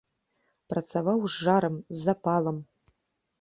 Працаваў з жарам, з запалам.